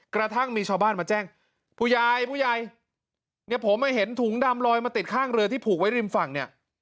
กระทั่งมีชาวบ้านมาแจ้งผู้ใหญ่ผู้ใหญ่เนี่ยผมมาเห็นถุงดำลอยมาติดข้างเรือที่ผูกไว้ริมฝั่งเนี่ย